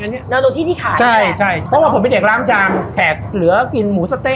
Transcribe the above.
แล้วโดนที่ที่ขายใช่ใช่เพราะว่าผมเป็นเด็กล้างจานแขกเหลือกินหมูสะเต๊